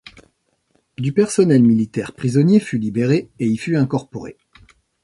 Du personnel militaire prisonnier fut libéré et y fut incorporé.